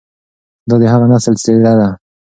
دا د هغه نسل څېره ده،